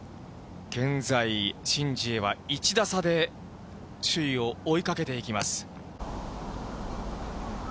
現在、シン・ジエは１打差で首位を追いかけていきます。